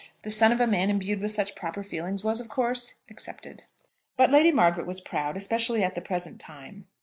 The son of a man imbued with such proper feelings was, of course, accepted. But Lady Margaret was proud, especially at the present time.